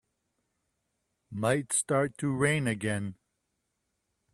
Might start to rain again.